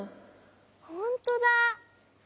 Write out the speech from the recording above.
ほんとだ！